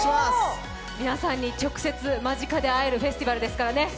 皆さんに直接、間近で会えるフェスティバルですからね。